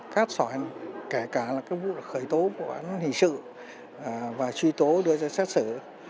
các sở kể cả là cái vụ khởi tố của quản lý hình sự và truy tố đưa ra xét xử